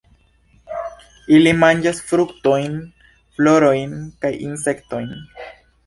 Ili manĝas fruktojn, florojn kaj insektojn.